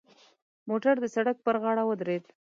موټر د سړک پر غاړه ودرید.